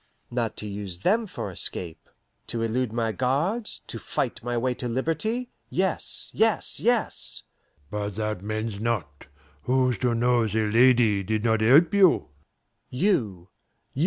"Not to use them for escape. To elude my guards, to fight my way to liberty yes yes yes!" "But that mends not. Who's to know the lady did not help you?" "You.